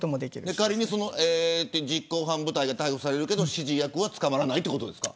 仮に実行犯部隊が逮捕されても指示役は捕まらないんですか。